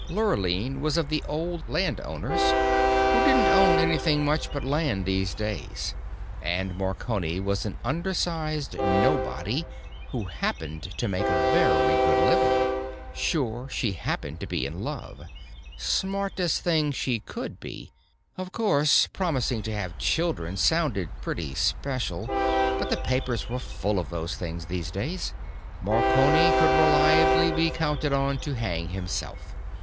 Lurline was of the Old Landowners, who didn't own anything much but land these days, and Marconi was an undersized nobody who happened to make a very good living. Sure she happened to be in love. Smartest thing she could be. Of course, promising to have children sounded pretty special; but the papers were full of those things every day. Marconi could reliably be counted on to hang himself.